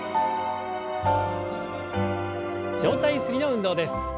上体ゆすりの運動です。